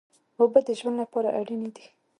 اوبه د ژوند لپاره اړینې دي.